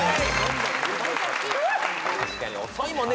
確かに遅いもんね。